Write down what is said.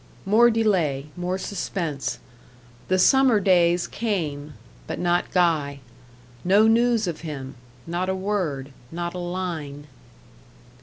More delay more suspense. The summer days came but not Guy. No news of him not a word not a line.